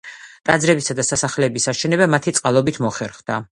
ტაძრებისა და სასახლეების აშენება მათი წყალობით მოხერხდა.